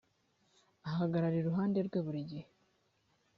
ahagaragara iruhanderwe burigihe.